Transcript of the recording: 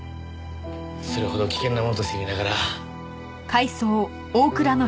それほど危険なものと知りながら大倉は。